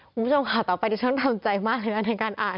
คุณผู้ชมค่ะต่อไปดิฉันทำใจมากเลยนะในการอ่าน